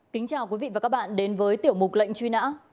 kính chào quý vị và các bạn đến với tiểu mục lệnh truy nã